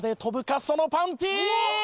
そのパンティ！